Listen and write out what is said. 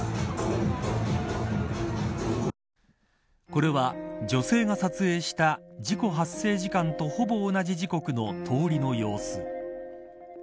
これは、女性が撮影した事故発生時間とほぼ同じ時刻の通りの様子。